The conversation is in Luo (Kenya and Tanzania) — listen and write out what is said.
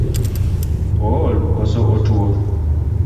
Ool kose otuo?